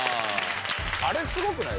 あれすごくない？